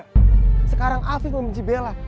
tidak sekarang afif membenci bella